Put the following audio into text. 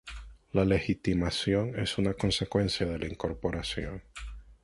La legitimación es una consecuencia de la incorporación.